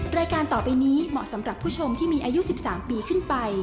รายการต่อไปนี้เหมาะสำหรับผู้ชมที่มีอายุ๑๓ปีขึ้นไป